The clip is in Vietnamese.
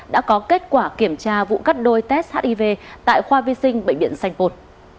đã có kết quả kiểm tra vụ cắt đôi test hiv tại khoa vi sinh bệnh viện sanh pô